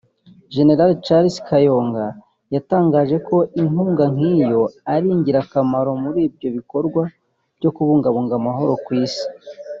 Gen Charles Kayonga yatangaje ko inkunga nkiyo ari ingirakamaro muri ibyo bikorwa byo kubungabunga amahoro ku isi